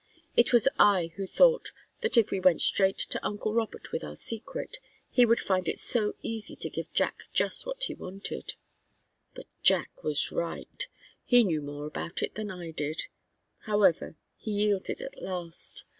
It was I who thought that if we went straight to uncle Robert with our secret, he would find it so easy to give Jack just what he wanted. But Jack was right. He knew more about it than I did. However, he yielded at last.